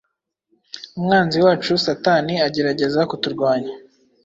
Umwanzi wacu Satani agerageza kuturwanya